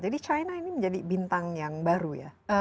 jadi china ini menjadi bintang yang baru ya